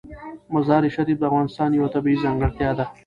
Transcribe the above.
مزارشریف د افغانستان یوه طبیعي ځانګړتیا ده.